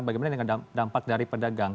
bagaimana dengan dampak dari pedagang